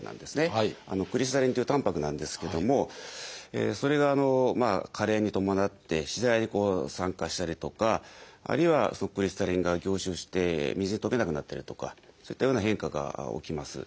クリスタリンというたんぱくなんですけどもそれが加齢に伴って次第に酸化したりとかあるいはクリスタリンが凝集して水に溶けなくなったりとかそういったような変化が起きます。